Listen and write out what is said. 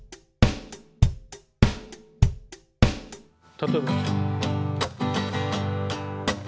例えば。